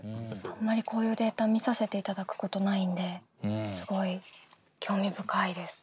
あんまりこういうデータ見させていただくことないんですごい興味深いです。